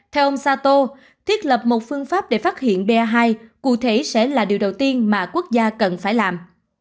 theo ông sato thiết lập một phương pháp để phát hiện ba hai cụ thể sẽ là điều đầu tiên mà quốc gia cần phải làm